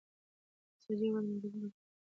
د نساجۍ واړه مرکزونه په کاپیسا کې فعالیت کوي.